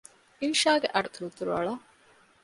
އިންޝާގެ އަޑު ތުރުތުރު އަޅަ